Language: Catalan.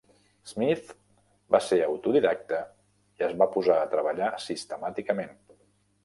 Smith va ser autodidacta i es va posar a treballar sistemàticament.